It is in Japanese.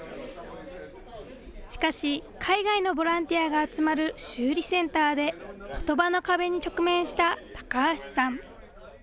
しかし海外のボランティアが集まる修理センターでことばの壁に直面した高橋さん。